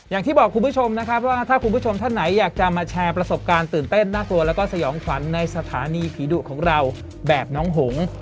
อย่างที่บอกคุณผู้ชมนะครับว่าถ้าคุณผู้ชมท่านไหนอยากจะมาแชร์ประสบการณ์ตื่นเต้นน่ากลัวแล้วก็สยองขวัญในสถานีผีดุของเราแบบน้องหง